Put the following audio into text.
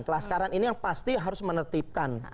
kelaskaran ini yang pasti harus menertibkan